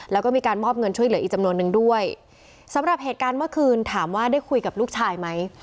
แล้วก็มีการมอบเงินช่วยเหลืออีกจำนวนนึงด้วยสำหรับเหตุการณ์เมื่อคืนถามว่าได้คุยกับลูกชายไหม